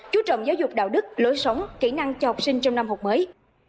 chú trọng giáo dục đạo đức lối sống kỹ năng cho học sinh trong năm học mới